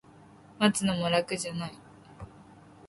待つのも楽じゃない